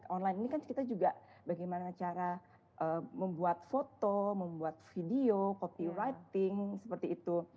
online ini kan kita juga bagaimana cara membuat foto membuat video copy writing seperti itu